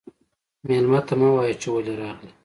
مېلمه ته مه وايه چې ولې راغلې.